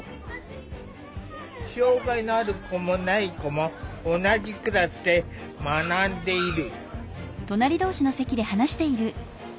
障害のある子もない子も同じクラスで学んでいる。